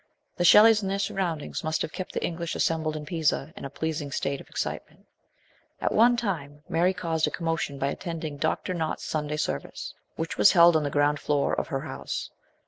The Shelleys and their surroundings must have kept the English assembled in Pisa in a pleasing state of excitement. At one time Mary caused a commotion by attending Dr. Nott's Sunday service, which was held on the ground floor of her house.